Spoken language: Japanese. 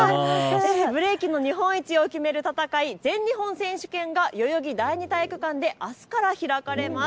ブレイキンの日本一を決める戦い、全日本選手権が代々木第二体育館であすから開かれます。